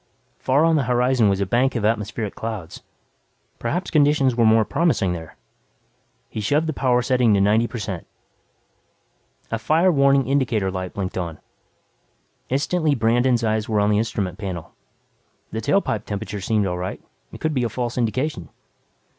Far on the horizon was a bank of atmospheric clouds. Perhaps conditions were more promising there. He shoved the power setting to 90 per cent. A fire warning indicator light blinked on. Instantly Brandon's eyes were on the instrument panel. The tailpipe temperature seemed all right. It could be a false indication.